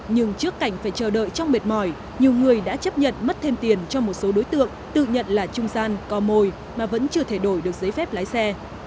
nhưng trước cảnh phải chờ đợi trong mệt mỏi nhiều người đã chấp nhận mất thêm tiền cho một số đối tượng tự nhận là trung gian co mồi mà vẫn chưa thể đổi được giấy phép lái xe